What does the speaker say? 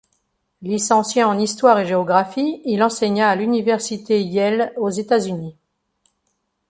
Licencié en histoire et géographie, il enseigna à l'université Yale aux États-Unis.